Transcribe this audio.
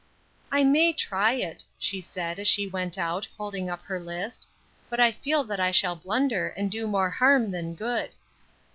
"I may try it," she said, as she went out, holding up her list, "but I feel that I shall blunder, and do more harm than good."